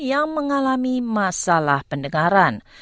yang mengalami masalah pendengaran